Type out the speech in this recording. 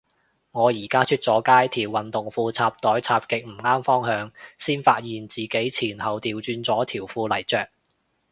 我而家出咗街，條運動褲插袋插極唔啱方向，先發現自己前後掉轉咗條褲嚟着